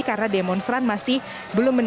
karena demonstran masih belum menitup